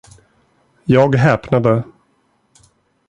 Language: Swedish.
Jag häpnade.